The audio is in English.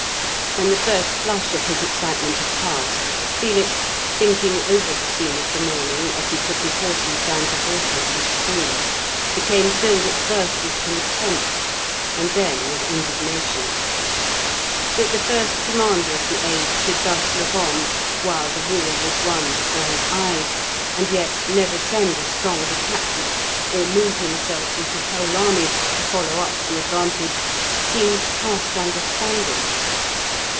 When the first flush of his excitement had passed, Felix, thinking over the scene of the morning as he took his horses down to water at the stream, became filled at first with contempt, and then with indignation. That the first commander of the age should thus look on while the wall was won before his eyes, and yet never send a strong detachment, or move himself with his whole army to follow up the advantage, seemed past understanding.